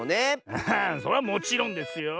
アハそれはもちろんですよ。